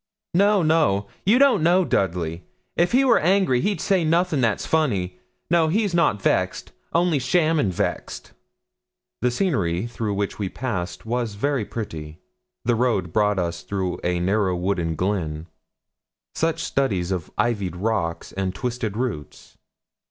'No, no, you don't know Dudley: if he were angry, he'd say nothing that's funny; no, he's not vexed, only shamming vexed.' The scenery through which we passed was very pretty. The road brought us through a narrow and wooded glen. Such studies of ivied rocks and twisted roots!